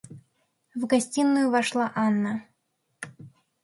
В гостиную вошла Анна.